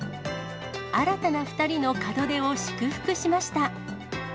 新たな２人の門出を祝福しました。